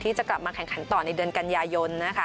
จะกลับมาแข่งขันต่อในเดือนกันยายนนะคะ